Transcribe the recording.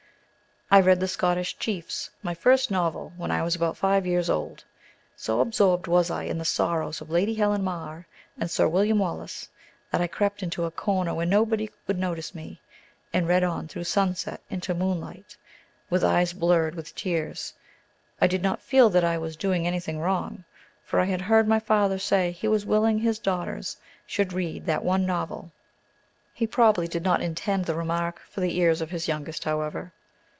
I read the "Scottish Chiefs" my first novel when I was about five years old. So absorbed was I in the sorrows of Lady Helen Mar and Sir William Wallace, that I crept into a corner where nobody would notice me, and read on through sunset into moonlight, with eyes blurred with tears. I did not feel that I was doing anything wrong, for I had heard my father say he was willing his daughters should read that one novel. He probably did not intend the remark for the ears of his youngest, however.